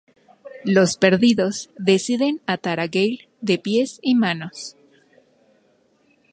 Los perdidos deciden atar a Gale de pies y manos.